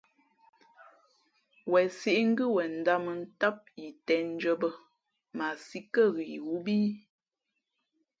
Wen sǐꞌ ngʉ̌ wenndāmα̌ ntám yī těndʉ̄ᾱ bᾱ mα a sī kάghʉ̌ yǐ wū bᾱ í ?